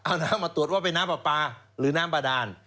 เอาน้ำมาตรวจว่าเป็นน้ำปลาปลาหรือน้ำบาดาน